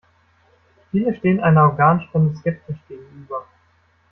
Viele stehen einer Organspende skeptisch gegenüber.